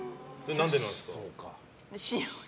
何でなんですか？